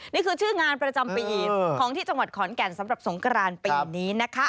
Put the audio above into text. นี่คือชื่องานประจำปีของที่จังหวัดขอนแก่นสำหรับสงกรานปีนี้นะคะ